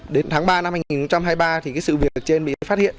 đến tháng ba năm một nghìn chín trăm hai mươi ba thì cái sự việc ở trên bị phát hiện